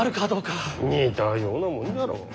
似たようなもんじゃろう。